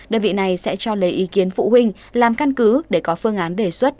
đơn vị này sẽ cho lấy ý kiến phụ huynh làm căn cứ để có phương án đề xuất